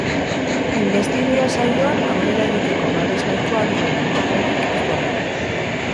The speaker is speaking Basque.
Inbestidura saioan aurrera egiteko babes nahikoa duen hautagairik ez dago.